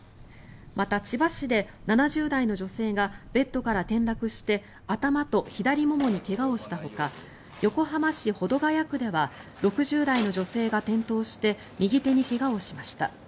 また、千葉市で７０代の女性がベッドから転落して頭と左ももに怪我をしたほか横浜市保土ケ谷区では６０代の女性が転倒して右手に怪我をしました。